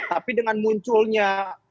tapi dengan munculnya